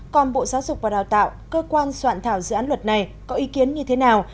còn bộ giáo dục và đào tạo cơ quan soạn thảo dự án luật này có ý kiến như thế nào